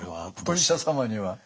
お医者様には。